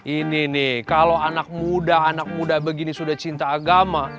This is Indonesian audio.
ini nih kalau anak muda anak muda begini sudah cinta agama